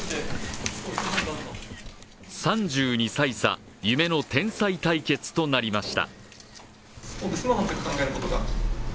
３２歳差、夢の天才対決となりました。